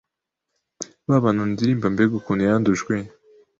babantu ndirimbambega ukuntu yandujwe